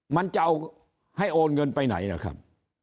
มันจะให้โอนเงินไปไหนครับ